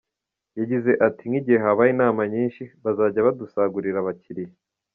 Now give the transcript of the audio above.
Yagize ati ‘‘Nk’igihe habaye inama nyinshi, bazajya badusagurira abakiliya.